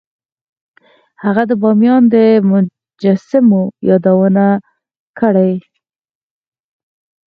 هغه د بامیان د مجسمو یادونه کړې